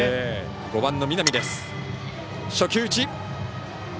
５番、南です。